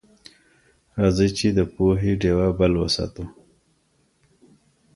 راځئ چي د پوهي ډيوه بل وساتو.